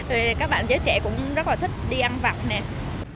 vì các bạn với trẻ cũng rất là thích đi ăn vặn nè